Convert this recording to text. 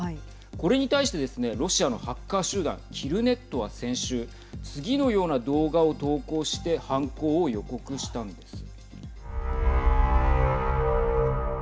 これに対してですねロシアのハッカー集団キルネットは先週次のような動画を投稿して犯行を予告したんです。